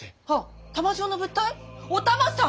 お玉さん！